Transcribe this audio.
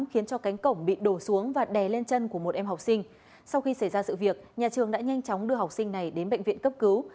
họ bị đổ xuống và đè lên chân của một em học sinh sau khi xảy ra sự việc nhà trường đã nhanh chóng đưa học sinh này đến bệnh viện cấp cứu